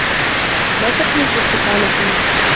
مَا شَكْلُ الْبُرْتُقالَةِ ؟